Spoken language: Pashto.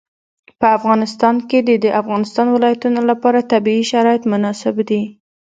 په افغانستان کې د د افغانستان ولايتونه لپاره طبیعي شرایط مناسب دي.